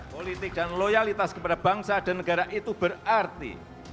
politik dan loyalitas kepada bangsa dan negara itu berarti